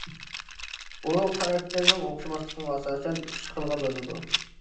ئۇ خاراكتېرىنىڭ ئوخشىماسلىقىغا ئاساسەن ئۈچ خىلغا بۆلىنىدۇ.